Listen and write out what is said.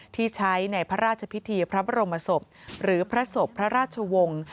ที่ใช้ในพระราชพิธีพระบรมศพหรือพระศพพระราชวงศ์